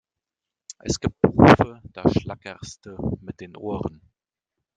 Es gibt Berufe, da schlackerste mit den Ohren!